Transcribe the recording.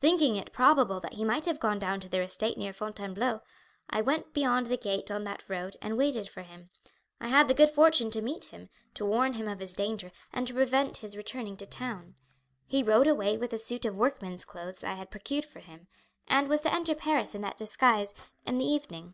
Thinking it probable that he might have gone down to their estate near Fontainebleau, I went out beyond the gate on that road and waited for him. I had the good fortune to meet him, to warn him of his danger, and to prevent his returning to town. He rode away with a suit of workman's clothes I had procured for him, and was to enter Paris in that disguise in the evening.